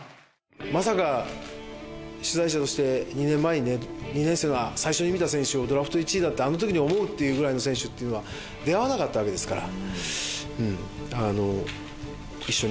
まさか取材者として２年前にね２年生最初に見た選手をドラフト１位だってあの時に思うっていうぐらいの選手っていうのは出会わなかったわけですから。